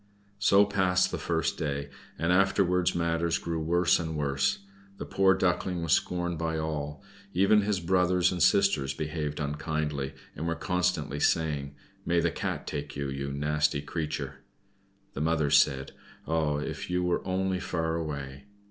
So passed the first day, and afterwards matters grew worse and worse the poor Duckling was scorned by all. Even his brothers and sisters behaved unkindly, and were constantly saying, "May the Cat take you, you nasty creature!" The mother said, "Ah, if you were only far away!"